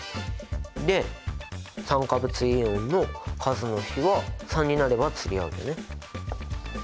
で酸化物イオンの数の比は３になれば釣り合うよね。